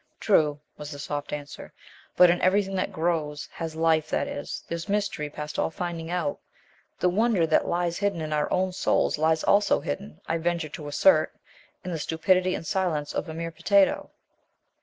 "True," was the soft answer, "but in everything that grows, has life, that is, there's mystery past all finding out. The wonder that lies hidden in our own souls lies also hidden, I venture to assert, in the stupidity and silence of a mere potato."